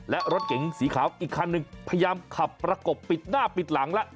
และรถเก๋งสีขาวอีกคันหนึ่งพยายามขับประกบปิดหน้าปิดหลังแล้ว